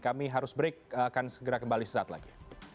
kami harus break akan segera kembali sesaat lagi